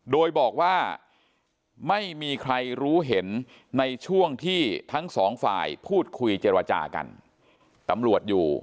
โดยบอกว่าไม่มีใครรู้เห็นในช่วงที่ทั้งสองฝ่ายพูดคุยเจรจากันตำรวจอยู่